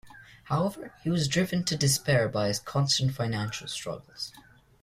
However he was driven to despair by his constant financial struggles.